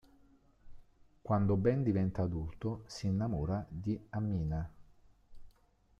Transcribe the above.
Quando Ben diventa adulto, si innamora di Amina.